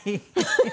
フフ。